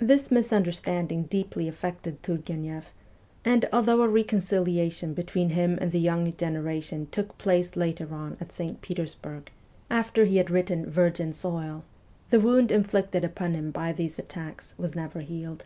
This misunderstanding deeply affected Turgueneff, and, although a reconciliation between him and the young generation took place 220 MEMOIRS OF A REVOLUTIONIST later on at St. Petersburg, after he had written ' Virgin Soil,' the wound inflicted upon him by these attacks was never healed.